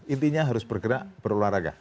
intinya harus bergerak berolahraga